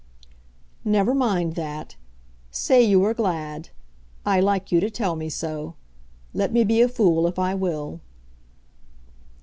"Never mind that. Say you are glad. I like you to tell me so. Let me be a fool if I will."